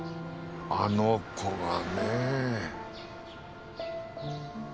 あの子がねえ。